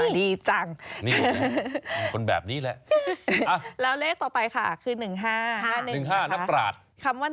เดี๋ยว๓๒